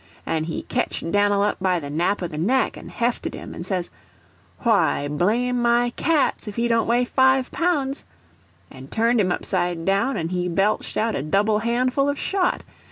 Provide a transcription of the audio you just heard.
And he ketched Dan'l up by the nap of the neck, and hefted him, and says, "Why blame my cats if he don't weigh five pounds!" and turned him upside down and he belched out a double handful of shot.